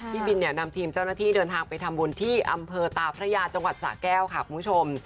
พี่บินเนี่ยนำทีมเจ้าหน้าที่เดินทางไปทำบุญที่อำเภอตาพระยาจังหวัดสะแก้วค่ะคุณผู้ชม